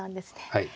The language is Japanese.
はい。